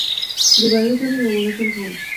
জোবায়ের হোসেন ও ইমামুল হাসান খান।